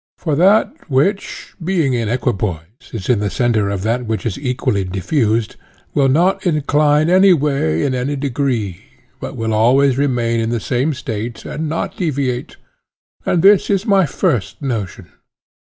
For that which, being in equipoise, is in the centre of that which is equably diffused, will not incline any way in any degree, but will always remain in the same state and not deviate. And this is my first notion.